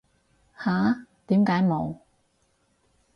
吓？點解冇